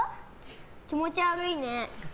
気持ち悪いね。